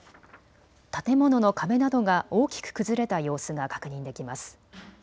建物の壁などが大きく崩れた様子が確認できます。